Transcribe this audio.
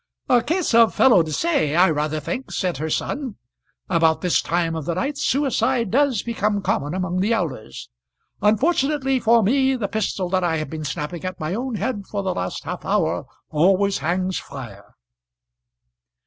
"A case of felo de se, I rather think," said her son. "About this time of the night suicide does become common among the elders. Unfortunately for me, the pistol that I have been snapping at my own head for the last half hour always hangs fire."